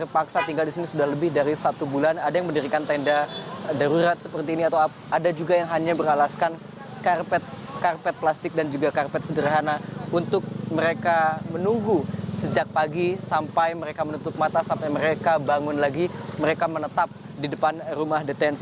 paksa tinggal di sini sudah lebih dari satu bulan ada yang mendirikan tenda darurat seperti ini atau ada juga yang hanya beralaskan karpet plastik dan juga karpet sederhana untuk mereka menunggu sejak pagi sampai mereka menutup mata sampai mereka bangun lagi mereka menetap di depan rumah detensi